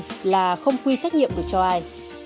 hai là không quy trách nhiệm được cho ai